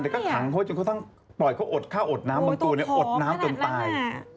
แต่ก็ขังเขาจนกระทั่งปล่อยเขาอดข้าวอดน้ำบางตัวอดน้ำจนตาย